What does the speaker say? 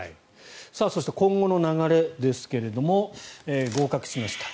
そして今後の流れですけれども合格しました。